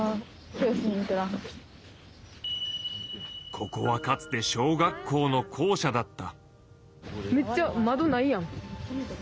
ここはかつて小学校の校舎だった。